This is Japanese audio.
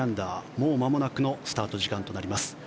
もうまもなくのスタート時間となります。